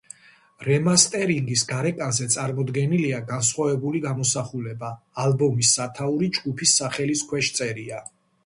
რემასტერინგის გარეკანზე წარმოდგენილია განსხვავებული გამოსახულება: ალბომის სათაური ჯგუფის სახელის ქვეშ წერია.